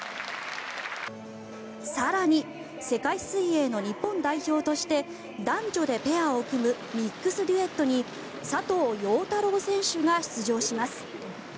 更に、世界水泳の日本代表として男女でペアを組むミックスデュエットに佐藤陽太郎選手が出場します。